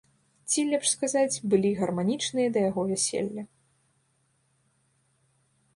Ці, лепш сказаць, былі гарманічныя да яго вяселля.